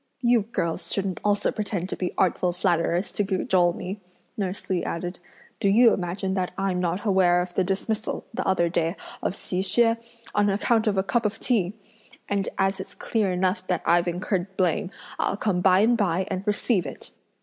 "You girls shouldn't also pretend to be artful flatterers to cajole me!" nurse Li added; "do you imagine that I'm not aware of the dismissal, the other day, of Hsi Hsüeh, on account of a cup of tea? and as it's clear enough that I've incurred blame, I'll come by and by and receive it!"